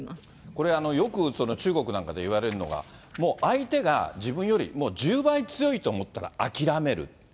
これ、よく中国なんかでいわれるのが、もう相手が自分より１０倍強いと思ったら諦める。